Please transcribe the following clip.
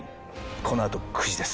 このあと９時です。